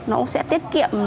nó cũng sẽ tiết kiệm